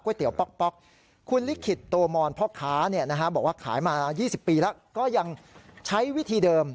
คุณคุณลิขิตโตมอนพ็อคค้าขายมา๒๐ปีก็ยังใช้วิธีเดิม